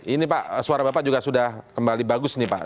ini pak suara bapak juga sudah kembali bagus nih pak